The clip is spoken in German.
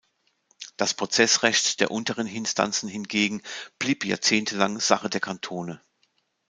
Das Prozessrecht der unteren Instanzen hingegen blieb jahrzehntelang Sache der Kantone.